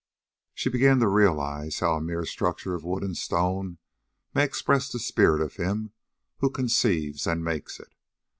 She began to realize how a mere structure of wood and stone may express the spirit of him who conceives and makes it.